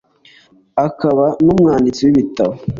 akaba nu mwanditsi w’ibitabo,